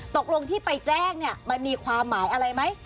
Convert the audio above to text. ตกลงที่ไปแจ้งเนี่ยมันมีความหมายอะไรไหม